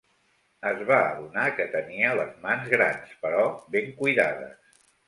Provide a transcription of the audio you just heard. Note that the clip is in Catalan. Es va adonar que tenia les mans grans, però ben cuidades.